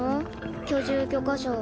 居住許可書。